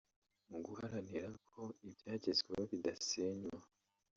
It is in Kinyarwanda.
Mu guharanira ko ibyagezweho bidasenywa